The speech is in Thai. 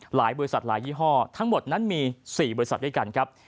หลายบริษัทหลายยี่ห้อทั้งหมดนั้นมี๔บริษัทด้วยกันครับ